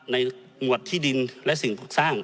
ในงวดที่ดินและสิ่งสรุปสร้าง